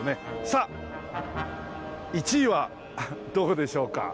さあ１位はどこでしょうか？